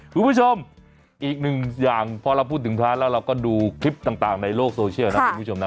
คุณผู้ชมอีกหนึ่งอย่างพอเราพูดถึงพระแล้วเราก็ดูคลิปต่างในโลกโซเชียลนะคุณผู้ชมนะ